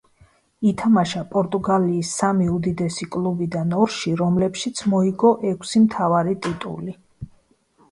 ითამაშა პორტუგალიის სამი უდიდესი კლუბიდან ორში, რომლებშიც მოიგო ექვსი მთავარი ტიტული.